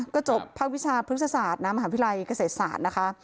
ก็จบภาควิชาพฤกษศาสตร์นะมหาวิทยาลัยเกษตรศาสตร์นะคะ